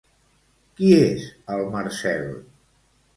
Qui és el Marcel?